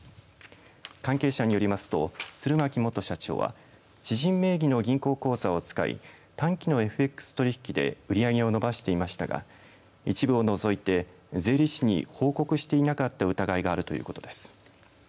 関係者によりますと釣巻元社長は知人名義の銀行口座を使い短期のＦＸ取引で売り上げを伸ばしていましたが一部を除いて税理士に報告していなかった疑いがあるということです。